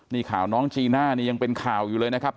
นี่ข่าวน้องจีน่านี่ยังเป็นข่าวอยู่เลยนะครับ